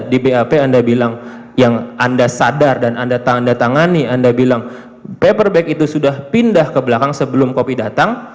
di bap anda bilang yang anda sadar dan anda tanda tangani anda bilang paper bag itu sudah pindah ke belakang sebelum kopi datang